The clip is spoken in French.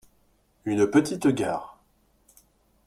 Une petite gare.